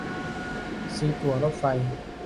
ซื้อตั๋วรถไฟ